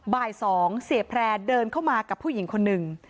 บ่าย๒เสียแพร่เดินเข้ามากับผู้หญิงคนหนึ่ง